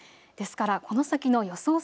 ですからこの先の予想